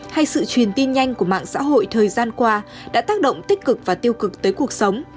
hình tin nhanh của mạng xã hội thời gian qua đã tác động tích cực và tiêu cực tới cuộc sống